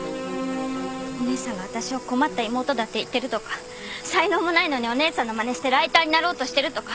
お姉さんが私を困った妹だって言ってるとか才能もないのにお姉さんのまねしてライターになろうとしてるとか。